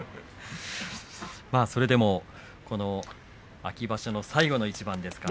それでも秋場所最後の一番ですから。